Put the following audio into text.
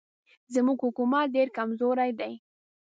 زموږ حکومت ډېر کمزوری دی.